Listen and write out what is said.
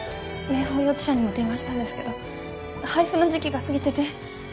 明峰幼稚舎にも電話したんですけど配布の時期が過ぎてて。